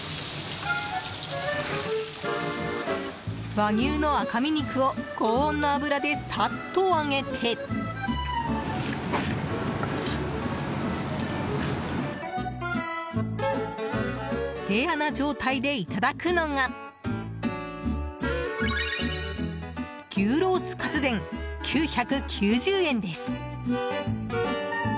和牛の赤身肉を高温の油でサッと揚げてレアな状態でいただくのが牛ロースカツ膳、９９０円です。